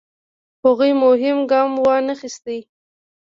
هغوی مهم ګام وانخیست.